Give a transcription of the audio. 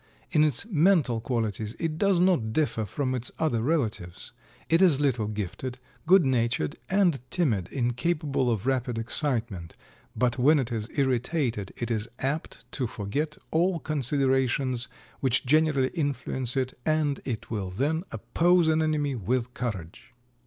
In its mental qualities it does not differ from its other relatives. It is little gifted, good natured and timid, incapable of rapid excitement, but when it is irritated it is apt to forget all considerations which generally influence it and it will then oppose an enemy with courage."